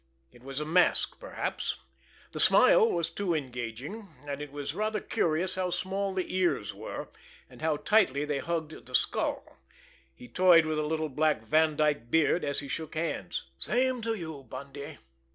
It was a mask perhaps! The smile was too engaging; and it was rather curious how small the ears were, and how tightly they hugged the skull. He toyed with a little black Vandyke beard, as he shook hands. "Same to you, Bundy!"